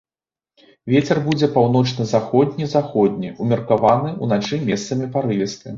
Вецер будзе паўночна-заходні, заходні ўмеркаваны, уначы месцамі парывісты.